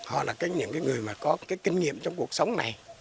họ là những người có kinh nghiệm trong cuộc sống này